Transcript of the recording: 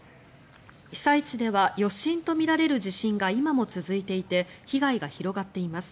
被災地では余震とみられる地震が今も続いていて被害が広がっています。